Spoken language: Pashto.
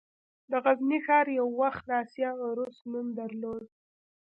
د غزني ښار یو وخت د «د اسیا عروس» نوم درلود